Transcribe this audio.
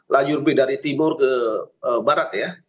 lajur b dari timur ke barat ya